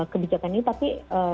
kebijakan ini tapi